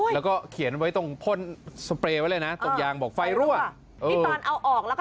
แล้วก็เขียนไว้ตรงโพ่นสเปรย์ไว้เลยนะตรงยางบอกไฟรั่วเออ